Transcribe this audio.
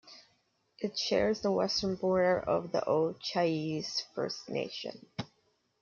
It shares the western border of the O'Chiese First Nation.